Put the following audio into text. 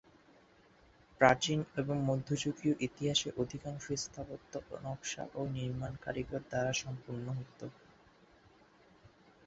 প্রাচীন এবং মধ্যযুগীয় ইতিহাসে অধিকাংশ স্থাপত্য নকশা ও নির্মাণ কারিগর দ্বারা সম্পন্ন হতো।